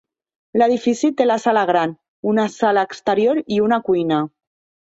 L'edifici té la sala gran, una sala exterior i una cuina.